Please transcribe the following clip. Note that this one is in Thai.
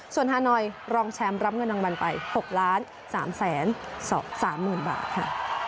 ส่วนฮานอยรองแชมป์รับเงินรางวัลไป๖ล้าน๓แสน๓หมื่นบาทค่ะ